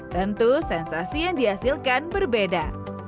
tentu sensasi yang dihasilkan berbeda